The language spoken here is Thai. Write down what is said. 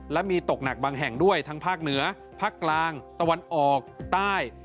และมีตกหนักบางแห่งด้วยทั้งภาคเหนือภาคกลางตะวันออกใต้